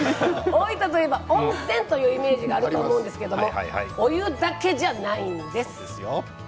大分といえば温泉のイメージがあると思うんですけどお湯だけじゃないんです。